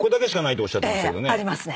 ありますね。